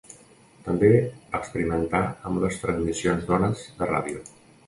També va experimentar amb les transmissions d'ones de ràdio.